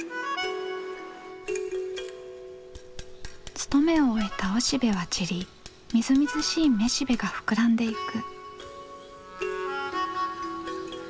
務めを終えたおしべは散りみずみずしいめしべが膨らんでいく。